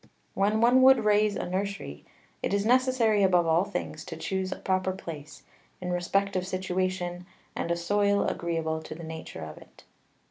When one would raise a Nursery, it is necessary, above all things, to chuse a proper Place, in respect of Situation, and a Soil agreeable to the Nature of it.